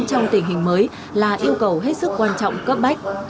trong tình hình mới là yêu cầu hết sức quan trọng cấp bách